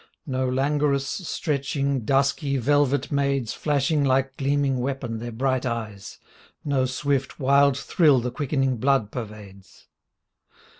No langorous, stretching, dusky, velvet maids Flashing like gleaming weapon their bright eyes, No swift, wild thrill the quickening blood pervades.